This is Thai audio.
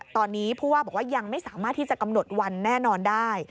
ตอนนี้ผู้ว่าบอกว่ายังไม่สามารถที่จะกำหนดวันแน่นอนได้